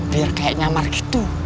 biar kayak nyamar gitu